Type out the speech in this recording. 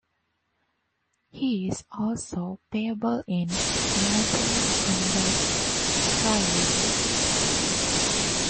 He is also playable in "Mortal Kombat Trilogy".